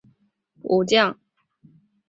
冷泉隆丰是日本战国时代的武将。